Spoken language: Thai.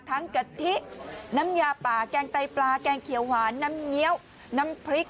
กะทิน้ำยาป่าแกงไตปลาแกงเขียวหวานน้ำเงี้ยวน้ำพริก